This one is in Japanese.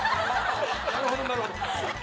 なるほどなるほど。